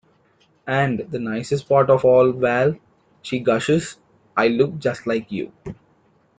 "And the nicest part of all, Val," she gushes, "I look just like you!